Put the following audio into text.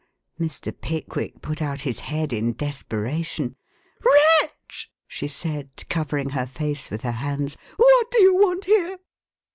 Mr. Pickwick put out his head in desperation. "Wretch!" she said, covering her face with her hands. "What do you want here?"